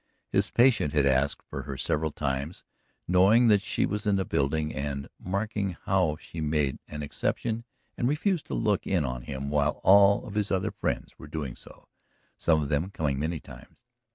His patient had asked for her several times, knowing that she was in the building and marking how she made an exception and refused to look in on him while all of his other friends were doing so, some of them coming many miles.